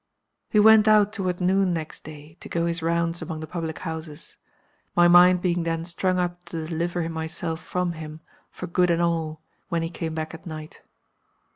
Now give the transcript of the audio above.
He went out toward noon next day, to go his rounds among the public houses; my mind being then strung up to deliver myself from him, for good and all, when he came back at night.